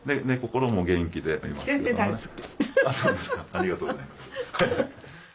ありがとうございます。